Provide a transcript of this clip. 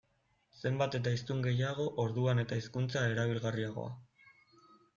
Zenbat eta hiztun gehiago, orduan eta hizkuntza erabilgarriagoa.